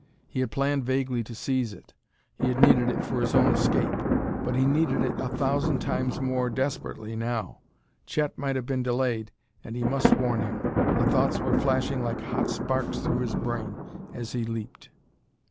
He had planned vaguely to seize it; he had needed it for his own escape; but he needed it a thousand times more desperately now. Chet might have been delayed, and he must warn him.... The thoughts were flashing like hot sparks through his brain as he leaped.